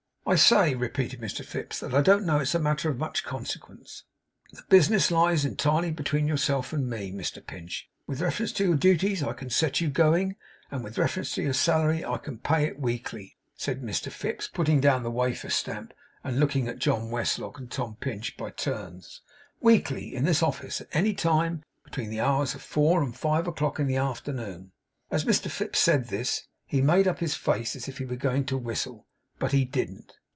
'I say,' repeated Mr Fips, 'that I don't know it's a matter of much consequence. The business lies entirely between yourself and me, Mr Pinch. With reference to your duties, I can set you going; and with reference to your salary, I can pay it. Weekly,' said Mr Fips, putting down the wafer stamp, and looking at John Westlock and Tom Pinch by turns, 'weekly; in this office; at any time between the hours of four and five o'clock in the afternoon.' As Mr Fips said this, he made up his face as if he were going to whistle. But he didn't.